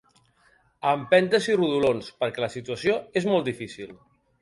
A empentes i rodolons, perquè la situació és molt difícil.